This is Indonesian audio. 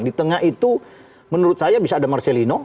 di tengah itu menurut saya bisa ada marcelino